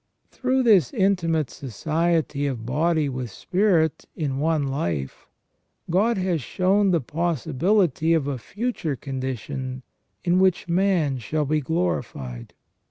Through this intimate society of body with spirit in one life, God has shown the possibility of a future condition in which man shall be glorified.